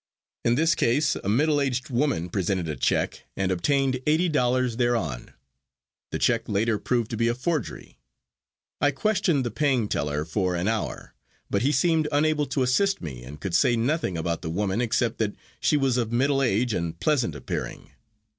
In this case a middle aged woman presented a check and obtained eighty dollars thereon, the check later proving to be a forgery. I questioned the paying teller for an hour, but he seemed unable to assist me and could say nothing about the woman except that she was of middle age and pleasant appearing.